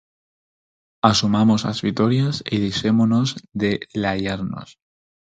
Asumamos as vitorias e deixémonos de laiarnos.